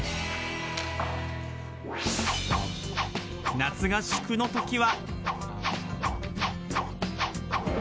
夏合宿の時は。